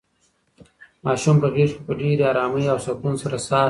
ماشوم په غېږ کې په ډېرې ارامۍ او سکون سره ساه اخیستله.